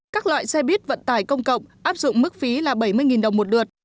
các loại xe buýt vận tải công cộng áp dụng mức phí là bảy mươi đồng một lượt